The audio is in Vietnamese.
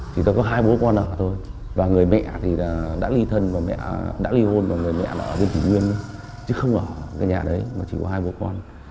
chỉ có hai bố con ở thôi và người mẹ thì đã ly hôn và người mẹ là ở bên thủ nguyên chứ không ở cái nhà đấy mà chỉ có hai bố con